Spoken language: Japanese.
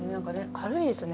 軽いですね。